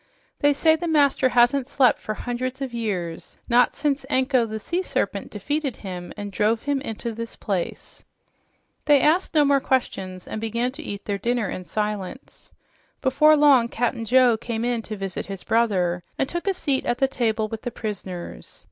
"They say the master hasn't slept for hundreds of years, not since Anko, the sea serpent, defeated him and drove him into this place." They asked no more questions and began to eat their dinner in silence. Before long, Cap'n Joe came in to visit his brother and took a seat at the table with the prisoners.